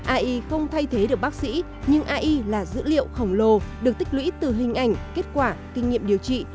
ai không thay thế được bác sĩ nhưng ai là dữ liệu khổng lồ được tích lũy từ hình ảnh kết quả kinh nghiệm điều trị